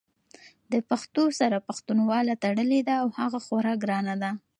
د پښتو سره پښتنواله تړلې ده او هغه خورا ګرانه ده!